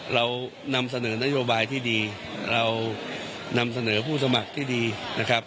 เรานำเสนอนโยบายที่ดีเรานำเสนอผู้สมัครที่ดีนะครับ